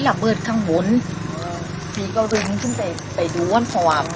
สุดท้ายสุดท้ายสุดท้าย